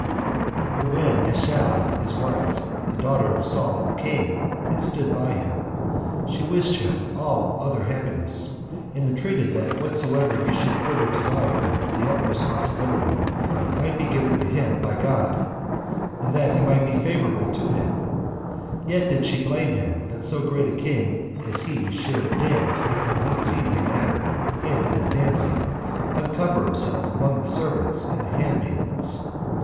3. But when Michal his wife, the daughter of Saul, came and stood by him, she wished him all other happiness, and entreated that whatsoever he should further desire, to the utmost possibility, might be given him by God, and that he might be favorable to him; yet did she blame him, that so great a king as he was should dance after an unseemly manner, and in his dancing, uncover himself among the servants and the handmaidens.